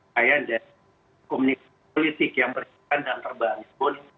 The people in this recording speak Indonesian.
saya ada komunikasi politik yang berikan dan terbanyak pun